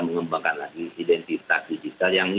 mengembangkan lagi identitas digital yang